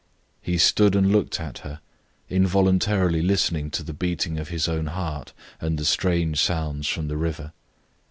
He stood and looked at her, involuntarily listening to the beating of his own heart and the strange sounds from the river.